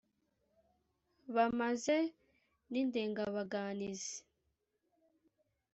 Bamaze n'Indengabaganizi